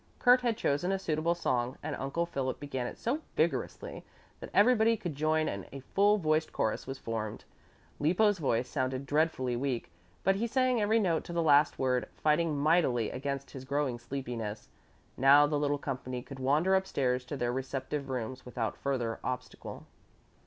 Kurt had chosen a suitable song and Uncle Philip began it so vigorously that everybody could join and a full voiced chorus was formed. Lippo's voice sounded dreadfully weak, but he sang every note to the last word, fighting mightily against his growing sleepiness. Now the little company could wander upstairs to their respective rooms without further obstacle.